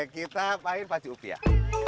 kita main pacu upiah